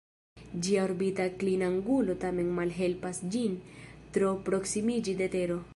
Ĝia orbita klinangulo tamen malhelpas ĝin tro proksimiĝi de Tero.